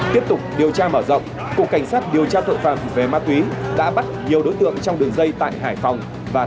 tiếp tục điều tra mở rộng cục cảnh sát điều tra tội phạm về ma túy đã bắt nhiều đối tượng trong đường dây tại hải phòng và